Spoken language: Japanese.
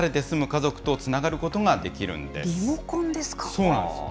そうなんですね。